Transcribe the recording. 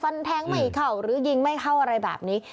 แทงไม่เข้าหรือยิงไม่เข้าอะไรแบบนี้